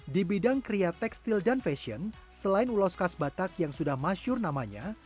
di bidang kria tekstil dan fashion selain ulos khas batak yang sudah masyur namanya